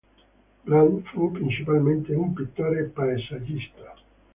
Brand fu principalmente un pittore paesaggista.